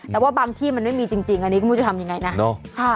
แต่ว่าบางที่มันไม่มีจริงอันนี้ก็ไม่รู้จะทำยังไงนะ